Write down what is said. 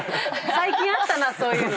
最近あったなそういうの。